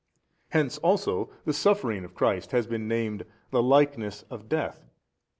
Hence also the suffering of Christ has been named, 'the likeness of death.'